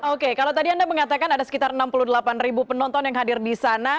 oke kalau tadi anda mengatakan ada sekitar enam puluh delapan ribu penonton yang hadir di sana